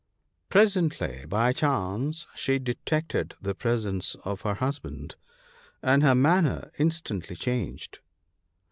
Presently by chance she detected the presence of her husband, and her manner instantly changed.